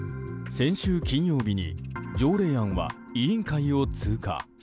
先週金曜日に条例案は委員会を通過。